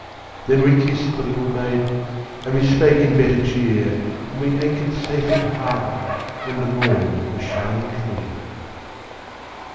Then we kissed the little maiden, And we spake in better cheer, And we anchored safe in harbor When the morn was shining clear.